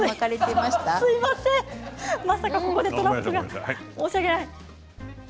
まさかここでトラップが申し訳ない。